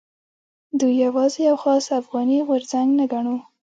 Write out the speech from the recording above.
دوی یوازې یو خاص افغاني غورځنګ نه ګڼو.